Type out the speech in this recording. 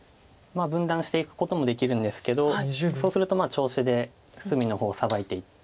分断していくこともできるんですけどそうすると調子で隅の方をサバいていって。